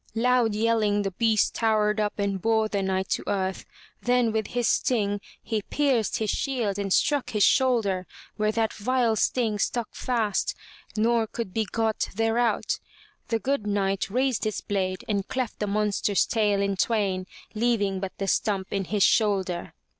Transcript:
Loud yelling, the beast towered up and bore the Knight to earth, then with his sting he pierced his shield and struck his shoulder, where that vile sting stuck fast, nor could be got thereout. The good Knight raised his blade and cleft the monster's tail in twain, leaving but the stump in his shoulder.